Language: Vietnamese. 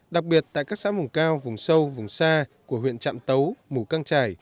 đặc biệt tại các xã vùng cao vùng sâu vùng xa của huyện trạm tấu mù căng trải